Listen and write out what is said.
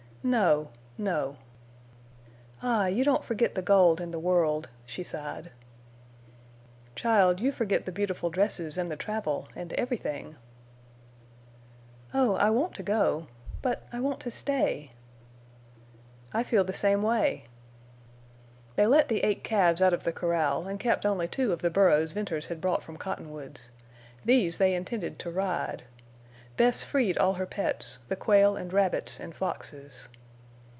"No—no." "Ah, you don't forget the gold and the world," she sighed. "Child, you forget the beautiful dresses and the travel—and everything." "Oh, I want to go. But I want to stay!" "I feel the same way." They let the eight calves out of the corral, and kept only two of the burros Venters had brought from Cottonwoods. These they intended to ride. Bess freed all her pets—the quail and rabbits and foxes.